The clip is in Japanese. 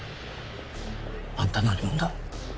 あんた何者だ？